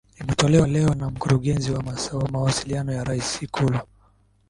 Imetolewa leo na mkurugenzi wa mawasiliano ya rais Ikulu